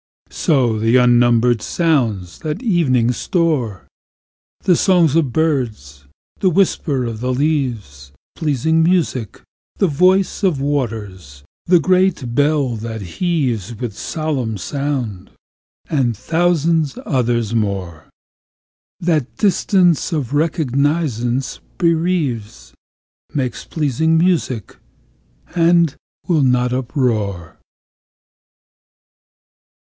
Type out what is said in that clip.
So the unnumber'd sounds that evening store; The songs of birds—the whisp'ring of the leaves—The voice of waters—the great bell that heavesWith solemn sound,—and thousand others more, That distance of recognizance bereaves, Make pleasing music, and not wild uproar.